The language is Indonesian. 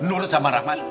nurut sama rahmat